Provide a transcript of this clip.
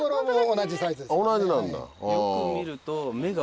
同じなんだ。